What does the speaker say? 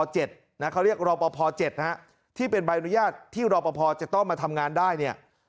เขาเรียกรอปภ๗ที่เป็นใบอนุญาตที่รอปภจะต้องมาทำงานได้เนี่ย